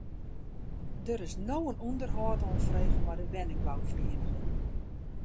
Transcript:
Der is no in ûnderhâld oanfrege mei de wenningbouferieniging.